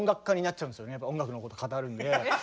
音楽のこと語るんで。